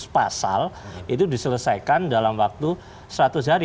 dua ratus pasal itu diselesaikan dalam waktu seratus hari